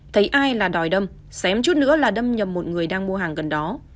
thấy ai là đòi đâm xém chút nữa là đâm nhầm một người đang mua hàng gần đó